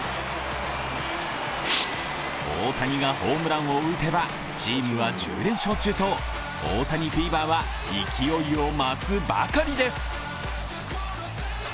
大谷がホームランを打てば、チームは１０連勝中と大谷フィーバーは勢いを増すばかりです。